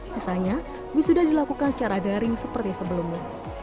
sisanya wisuda dilakukan secara daring seperti sebelumnya